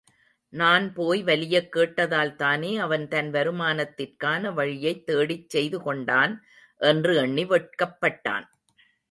நான் போய் வலியக் கேட்டதால் தானே அவன் தன் வருமானத்திற்கான வழியைத் தேடிச் செய்துகொண்டான் என்று எண்ணி வெட்கப்பட்டான்.